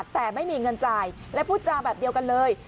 แต่ไม่มีเงินจ่ายและพูดจาแบบเดียวกันเลย